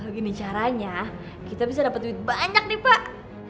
kalau gini caranya kita bisa dapet duit banyak nih pak